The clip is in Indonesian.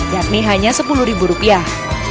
yakni hanya sepuluh rupiah